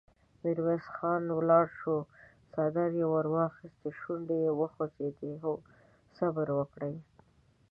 ميرويس خان ولاړ شو، څادر يې ور واخيست، شونډې يې وخوځېدې: هو! صبر وکړئ!